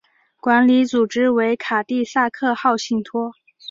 管理组织为卡蒂萨克号信托。